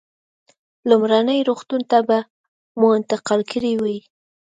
لومړني روغتون ته به مو انتقال کړی وای.